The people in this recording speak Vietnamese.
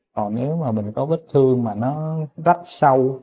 còn nếu mà mình có vết thương mà nó rất sâu